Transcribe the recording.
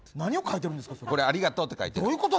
これ、ありがとうって書いてるの。